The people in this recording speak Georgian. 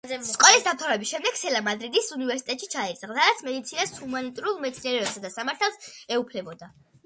სკოლის დამთავრების შემდეგ სელა მადრიდის უნივერსიტეტში ჩაირიცხა, სადაც მედიცინას, ჰუმანიტარულ მეცნიერებებსა და სამართალს ეუფლებოდა.